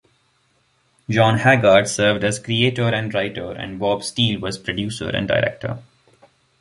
John Haggart served as creator and writer, and Bob Steele was producer and director.